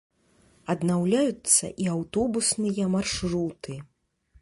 Аднаўляюцца і аўтобусныя маршруты.